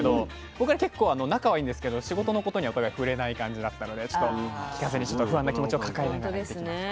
僕ら結構仲はいいんですけど仕事のことにはお互い触れない感じだったのでちょっと聞かずにちょっと不安な気持ちを抱えながらやってきました。